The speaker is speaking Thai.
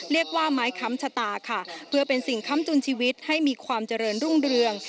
เรียกว่าไม้ค้ำชะตาค่ะเพื่อเป็นสิ่งค้ำจุนชีวิตให้มีความเจริญรุ่งเรือง